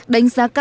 đánh giá cao